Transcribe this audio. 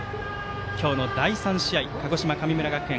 今日の第３試合鹿児島、神村学園